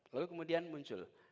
lalu kemudian muncul